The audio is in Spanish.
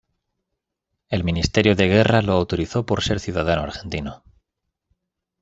El Ministerio de Guerra lo autorizó por ser ciudadano argentino.